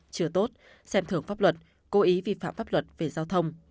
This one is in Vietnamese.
chưa tốt xem thưởng pháp luật cố ý vi phạm pháp luật về giao thông